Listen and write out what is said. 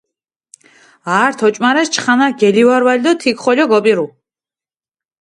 ართ ოჭუმარეს, ჩხანაქ გელივარვალჷ დო თიქ ხოლო გოპირუ.